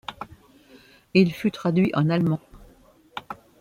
Il fut traduit en allemand.